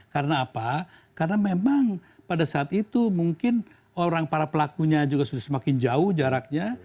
karena apa karena memang pada saat itu mungkin orang para pelakunya juga sudah semakin jauh jaraknya